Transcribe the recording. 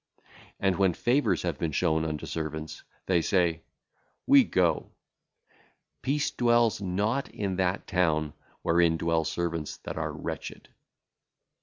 And when favours have been shown unto servants, they say, 'We go.' Peace dwelleth not in that town wherein dwell servants that are wretched.